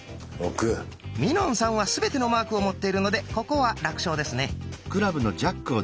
みのんさんは全てのマークを持っているのでここは楽勝ですね！